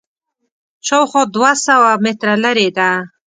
شاوخوا دوه سوه متره لرې ده.